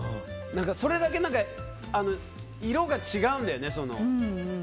それだけ色が違うんだよね。